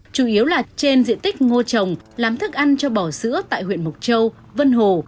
chủ yếu là trên diện tích ngô trồng làm thức ăn cho bò sữa tại huyện mộc châu vân hồ